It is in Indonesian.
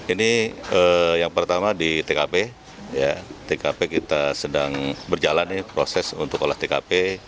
ini yang pertama di tkp kita sedang berjalan proses untuk olah tkp